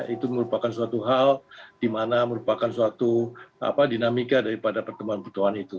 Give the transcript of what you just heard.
itu merupakan suatu hal di mana merupakan suatu dinamika daripada pertemuan pertemuan itu